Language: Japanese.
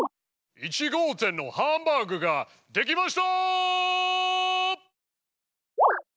「１号店のハンバーグができました！」。